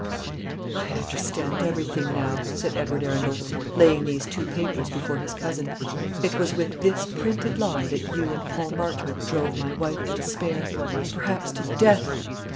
"I understand everything now," said Edward Arundel, laying these two papers before his cousin; "it was with this printed lie that you and Paul Marchmont drove my wife to despair perhaps to death.